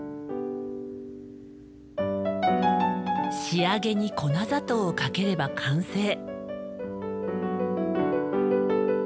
仕上げに粉砂糖をかければ完成。